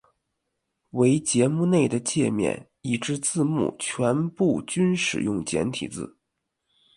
唯节目内的介面以至字幕全部均使用简体字。